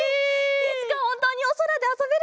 いつかほんとうにおそらであそべるといいね！